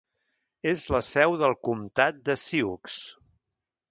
És la seu del comtat de Sioux.